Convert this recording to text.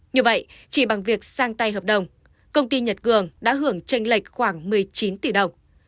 như vậy chỉ bằng việc sang tay hợp đồng công ty nhật cường đã hưởng tranh lệch khoảng một mươi chín tỷ đồng